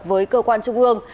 với cơ quan trung ương